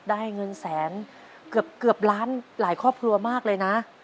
ได้เงินแสนเกือบล้านหลายครอบครัวมากเลยนะ